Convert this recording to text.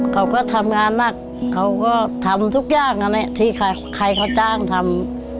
เขาก็ทำงานหนักเขาก็ทำทุกอย่างนั่นแหละที่ใครเขาจ้างทำ